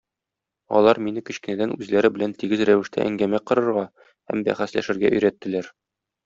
Алар мине кечкенәдән үзләре белән тигез рәвештә әңгәмә корырга һәм бәхәсләшергә өйрәттеләр.